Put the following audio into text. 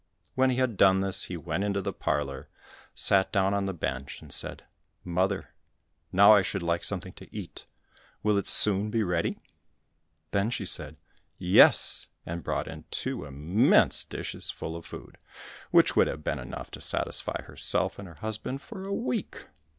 When he had done this, he went into the parlour, sat down on the bench and said, "Mother, now I should like something to eat, will it soon be ready?" Then she said, "Yes," and brought in two immense dishes full of food, which would have been enough to satisfy herself and her husband for a week.